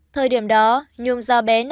thời điểm đó nhung giao bé